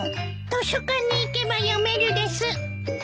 図書館に行けば読めるです。